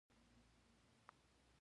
بس دغه شان ژوند دې زما نه وي